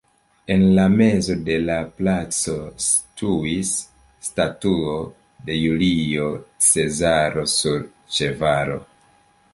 En la mezo de la placo situis statuo de Julio Cezaro sur ĉevalo.